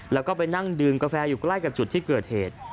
แล้วก็ไปนั่งดื่มกาแฟอยู่ใกล้กับจุดที่เกิดเหตุ